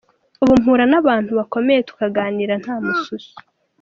Ubu mpura n’abantu bakomeye tukaganira nta mususu.